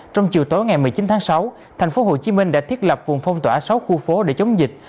trong chiều tối ngày một mươi chín tháng sáu tp hcm đã thiết lập vùng phong tỏa sáu khu phố để chống dịch